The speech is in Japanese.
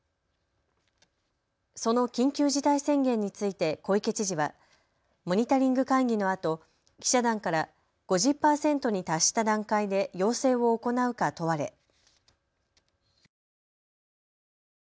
その緊急事態宣言について小池知事はモニタリング会議のあと記者団から５０％に達した段階で要請を行うか問われ。